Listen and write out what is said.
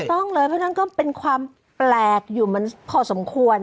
ต้องเลยเพราะฉะนั้นก็เป็นความแปลกอยู่มันพอสมควร